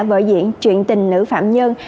vợ diễn chuyện tình nữ phạm nhân